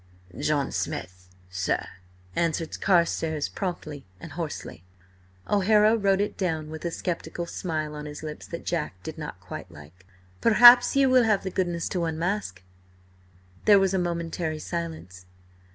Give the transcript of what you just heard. "John Smith, sir," answered Carstares promptly and hoarsely. O'Hara wrote it down with a sceptical smile on his lips that Jack did not quite like. "Perhaps ye will have the goodness to unmask?" There was a momentary silence.